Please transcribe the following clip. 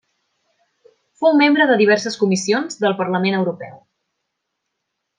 Fou membre de diverses comissions del Parlament Europeu.